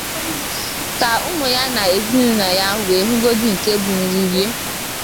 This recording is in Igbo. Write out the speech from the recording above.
ka ụmụ ya na ezinulọ ya wee hụgodi nke bụ nri rie.